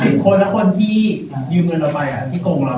สิบคนแล้วคนที่เงินคุณทั้งหมดทุกคนล่ะครับ